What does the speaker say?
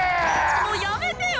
もうやめてよ！